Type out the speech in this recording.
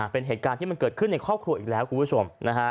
เป็นเหตุการณ์ที่มันเกิดขึ้นในครอบครัวอีกแล้วคุณผู้ชม